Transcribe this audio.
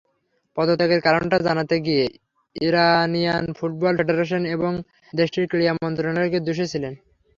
পদত্যাগের কারণটা জানাতে গিয়ে ইরানিয়ান ফুটবল ফেডারেশন এবং দেশটির ক্রীড়া মন্ত্রণালয়কে দুষেছিলেন।